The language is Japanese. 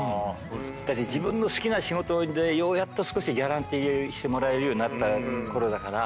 だって自分の好きな仕事でようやっと少しギャランティーもらえるようになったころだから。